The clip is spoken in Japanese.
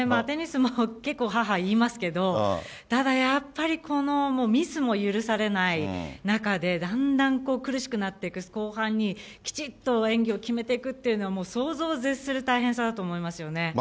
テニスも結構、はあはあ言いますけど、ただ、やっぱりこの、ミスも許されない中で、だんだんと苦しくなっていく後半にきちっと演技を決めていくというのは、想像を絶する大変さだと思いますよね。